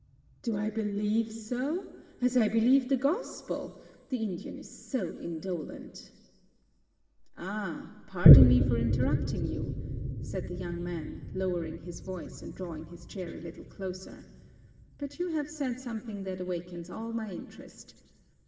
"Do I believe so? As I believe the Gospel! The Indian is so indolent!" "Ah, pardon me for interrupting you," said the young man, lowering his voice and drawing his chair a little closer, "but you have said something that awakens all my interest.